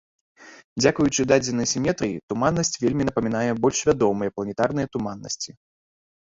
Дзякуючы дадзенай сіметрыі туманнасць вельмі напамінае больш вядомыя планетарныя туманнасці.